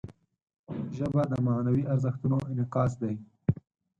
ژبه د معنوي ارزښتونو انعکاس دی